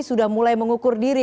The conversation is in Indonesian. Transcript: sudah mulai mengukur diri